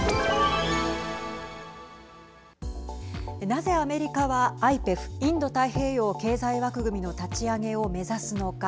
なぜ、アメリカはＩＰＥＦ＝インド太平洋経済枠組みの立ち上げを目指すのか。